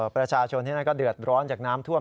ประชาชนก็เดือดร้อนจากน้ำถ้วม